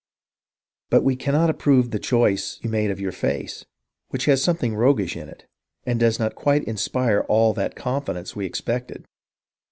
But we cannot approve of the choice you made of your face, which has something roguish in it, and does not quite inspire all that confidence we expected.